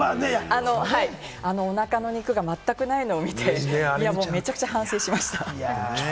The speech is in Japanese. お腹の肉がまったくないのを見て、めちゃくちゃ反省しました。